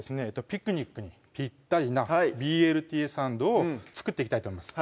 ピクニックにぴったりな「ＢＬＴサンド」を作っていきたいと思います